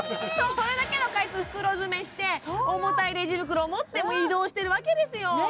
これだけの回数袋詰めして重たいレジ袋を持って移動してるわけですよね